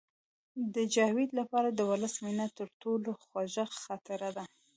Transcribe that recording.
د جاوید لپاره د ولس مینه تر ټولو خوږه خاطره ده